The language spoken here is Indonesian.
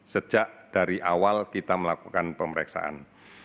sejak dari awal kita melakukan pemeriksaan